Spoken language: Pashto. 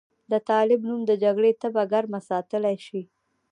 د طالب نوم د جګړې تبه ګرمه ساتلی شي.